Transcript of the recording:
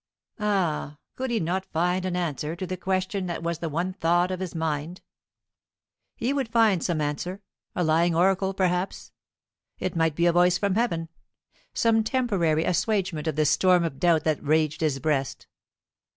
Ah, could he not find an answer to the question that was the one thought of his mind? He would find some answer a lying oracle, perhaps. It might be a voice from heaven, some temporary assuagement of this storm of doubt that raged in his breast.